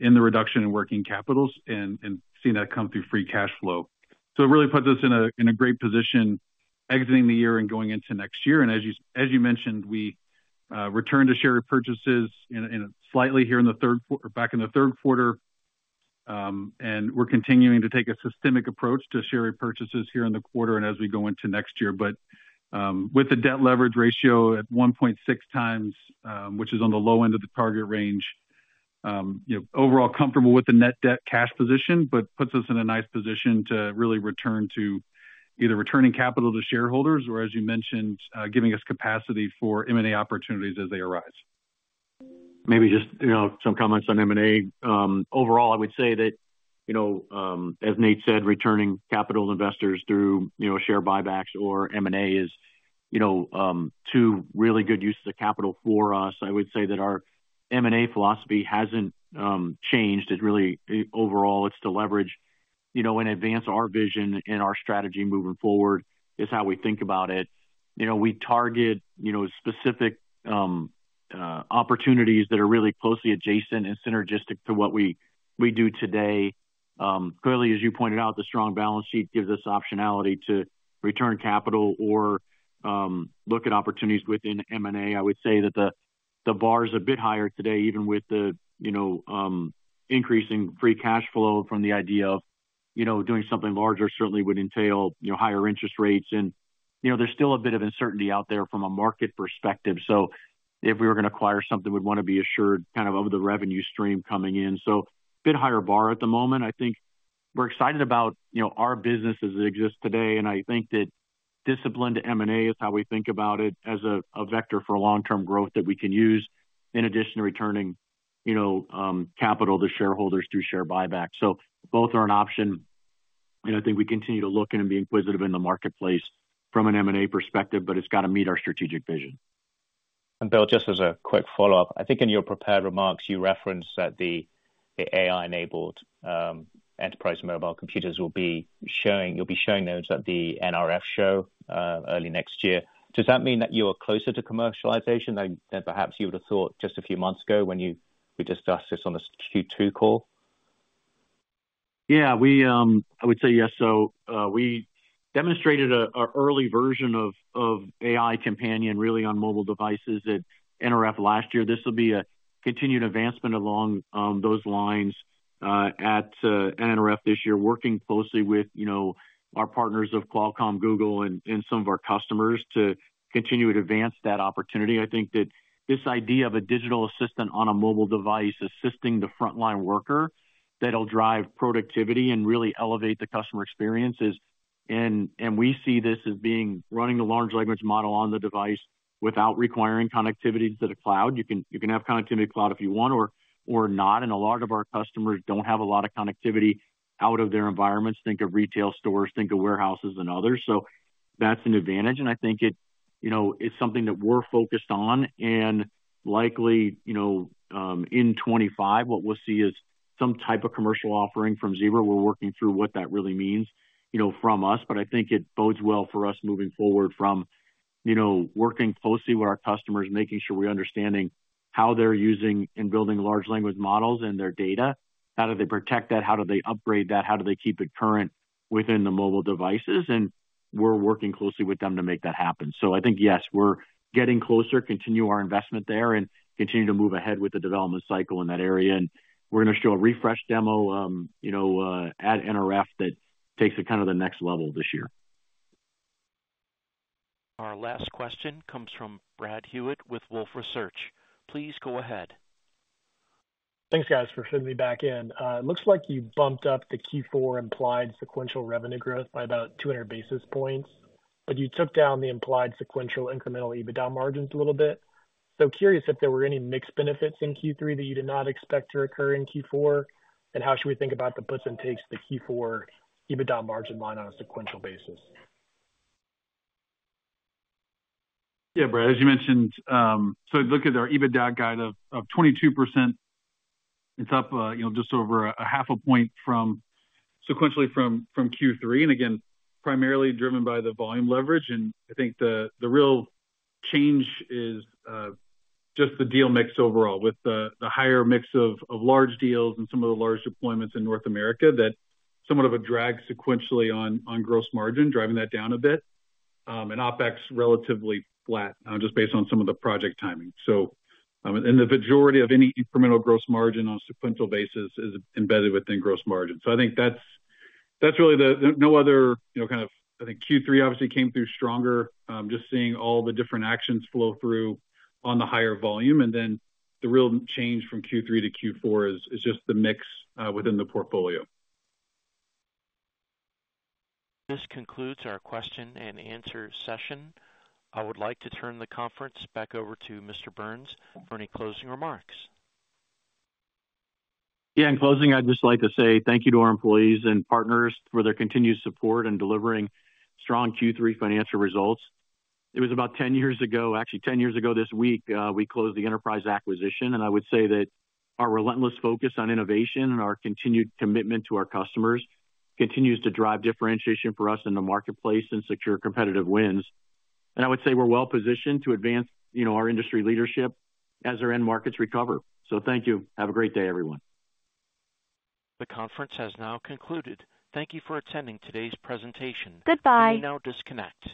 in the reduction in working capital and seeing that come through free cash flow. So it really puts us in a great position exiting the year and going into next year. And as you mentioned, we returned to share repurchases slightly here in the third quarter. And we're continuing to take a systemic approach to share repurchases here in the quarter and as we go into next year. But with the debt leverage ratio at 1.6 times, which is on the low end of the target range, you know, overall comfortable with the net debt cash position, but puts us in a nice position to really return to either returning capital to shareholders or, as you mentioned, giving us capacity for M&A opportunities as they arise. Maybe just, you know, some comments on M&A. Overall, I would say that, you know, as Nate said, returning capital investors through, you know, share buybacks or M&A is, you know, two really good uses of capital for us. I would say that our M&A philosophy hasn't changed. It really overall, it's to leverage, you know, and advance our vision and our strategy moving forward is how we think about it. You know, we target, you know, specific opportunities that are really closely adjacent and synergistic to what we do today. Clearly, as you pointed out, the strong balance sheet gives us optionality to return capital or look at opportunities within M&A. I would say that the bar is a bit higher today, even with the, you know, increasing free cash flow from the idea of, you know, doing something larger certainly would entail, you know, higher interest rates. And, you know, there's still a bit of uncertainty out there from a market perspective. So if we were going to acquire something, we'd want to be assured kind of of the revenue stream coming in. So a bit higher bar at the moment. I think we're excited about, you know, our business as it exists today. And I think that discipline to M&A is how we think about it as a vector for long-term growth that we can use in addition to returning, you know, capital to shareholders through share buybacks. So both are an option. And I think we continue to look and be inquisitive in the marketplace from an M&A perspective, but it's got to meet our strategic vision. Bill, just as a quick follow-up, I think in your prepared remarks, you referenced that the AI-enabled enterprise mobile computers will be showing demos at the NRF show early next year. Does that mean that you are closer to commercialization than perhaps you would have thought just a few months ago when we discussed this on the Q2 call? Yeah, I would say yes. So we demonstrated an early version of AI companion really on mobile devices at NRF last year. This will be a continued advancement along those lines at NRF this year, working closely with, you know, our partners of Qualcomm, Google, and some of our customers to continue to advance that opportunity. I think that this idea of a digital assistant on a mobile device assisting the frontline worker that'll drive productivity and really elevate the customer experience is, and we see this as being running the large language model on the device without requiring connectivity to the cloud. You can have connectivity to the cloud if you want or not. And a lot of our customers don't have a lot of connectivity out of their environments. Think of retail stores, think of warehouses and others. So that's an advantage. And I think it, you know, is something that we're focused on. And likely, you know, in 2025, what we'll see is some type of commercial offering from Zebra. We're working through what that really means, you know, from us. But I think it bodes well for us moving forward from, you know, working closely with our customers, making sure we're understanding how they're using and building large language models and their data. How do they protect that? How do they upgrade that? How do they keep it current within the mobile devices? And we're working closely with them to make that happen. So I think, yes, we're getting closer, continue our investment there, and continue to move ahead with the development cycle in that area. And we're going to show a refresh demo, you know, at NRF that takes it kind of the next level this year. Our last question comes from Brad Hewitt with Wolfe Research. Please go ahead. Thanks, guys, for fitting me back in. It looks like you bumped up the Q4 implied sequential revenue growth by about 200 basis points, but you took down the implied sequential incremental EBITDA margins a little bit. So curious if there were any mixed benefits in Q3 that you did not expect to occur in Q4, and how should we think about the puts and takes to Q4 EBITDA margin line on a sequential basis? Yeah, Brad, as you mentioned, so look at our EBITDA guide of 22%. It's up, you know, just over a half a point sequentially from Q3. And again, primarily driven by the volume leverage. And I think the real change is just the deal mix overall with the higher mix of large deals and some of the large deployments in North America that somewhat of a drag sequentially on gross margin, driving that down a bit. And OpEx relatively flat just based on some of the project timing. So the majority of any incremental gross margin on a sequential basis is embedded within gross margin. So I think that's really the no other, you know, kind of. I think Q3 obviously came through stronger, just seeing all the different actions flow through on the higher volume. And then the real change from Q3-Q4 is just the mix within the portfolio. This concludes our question and answer session. I would like to turn the conference back over to Mr. Burns for any closing remarks. Yeah, in closing, I'd just like to say thank you to our employees and partners for their continued support in delivering strong Q3 financial results. It was about 10 years ago, actually 10 years ago this week, we closed the enterprise acquisition, and I would say that our relentless focus on innovation and our continued commitment to our customers continues to drive differentiation for us in the marketplace and secure competitive wins, and I would say we're well positioned to advance, you know, our industry leadership as our end markets recover, so thank you. Have a great day, everyone. The conference has now concluded. Thank you for attending today's presentation. You may now disconnect.